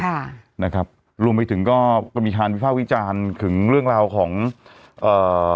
ค่ะนะครับรวมไปถึงก็มีการวิภาควิจารณ์ถึงเรื่องราวของเอ่อ